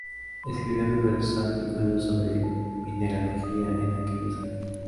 Escribió numerosos artículos sobre mineralogía en aquellos años.